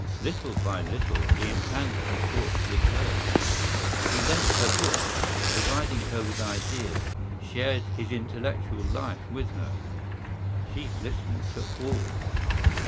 Little by little he entangled his thoughts with hers. He lent her books, provided her with ideas, shared his intellectual life with her. She listened to all.